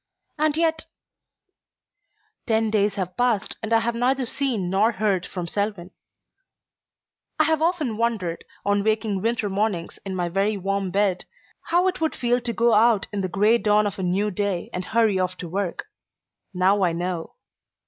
And yet Ten days have passed and I have neither seen nor heard from Selwyn. I have often wondered, on waking winter mornings in my very warm bed, how it would feel to go out in the gray dawn of a new day and hurry off to work. Now I know.